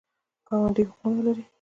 ګاونډي حقونه لري